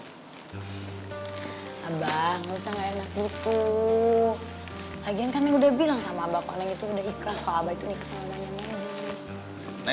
abah gak usah gak enak gitu lagian kan neng udah bilang sama abah kok neng itu udah ikhlas kok abah itu nih kesalahannya neng